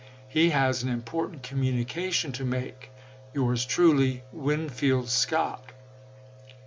He has an important communication to make. _,. Yours truly, Winfield Scott.